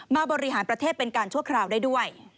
บริหารประเทศเป็นการชั่วคราวได้ด้วย